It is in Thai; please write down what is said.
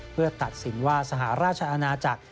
เพื่อตัดสินว่าสหราชอาณาจักร